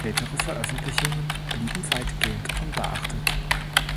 Spätere Veröffentlichungen blieben weitgehend unbeachtet.